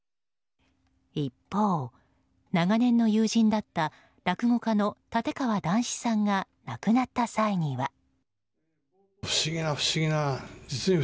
一方、長年の友人だった落語家の立川談志さんが亡くなった際には。